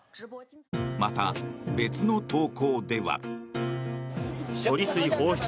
また、別の投稿では。